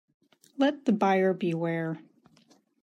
Let the buyer beware.